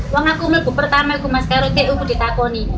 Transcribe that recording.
uang aku pertama itu mas karo itu aku ditangani